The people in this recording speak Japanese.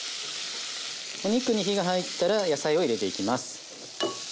お肉に火が入ったら野菜を入れていきます。